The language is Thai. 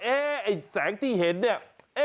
ไอ้แสงที่เห็นเนี่ย